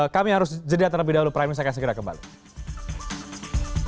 kami harus jeda terlebih dahulu prime news akan segera kembali